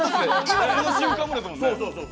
この瞬間もですもんね。